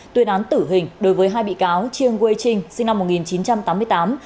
tuyên án tử hình đối với hai bị cáo chiang wei ching sinh năm một nghìn chín trăm tám mươi tám